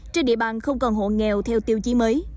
trên địa bàn không còn hộ nghèo theo tiêu chí mới